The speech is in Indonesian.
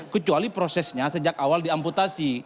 kecuali prosesnya sejak awal diamputasi